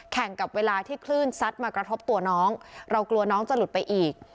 กับเวลาที่คลื่นซัดมากระทบตัวน้องเรากลัวน้องจะหลุดไปอีก